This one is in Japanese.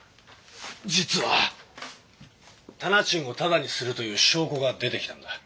実は店賃をただにするという証拠が出てきたんだ。